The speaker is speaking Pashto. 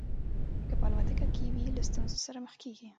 که په الوتکه کې وي له ستونزو سره مخ کېږي.